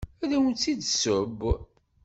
Ad awent-d-tesseww.